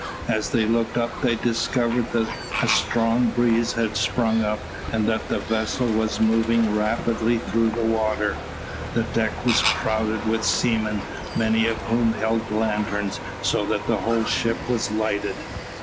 As they looked up they discovered that a strong breeze had sprung up, and that the vessel was moving rapidly through the water. The deck was crowded with seamen, many of whom held lanterns, so that the whole ship was lighted.